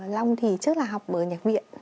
long thì trước là học ở nhạc viện